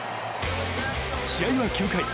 試合は９回。